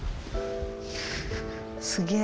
すげえ。